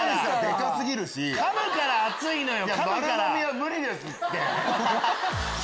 かむから熱いのよ！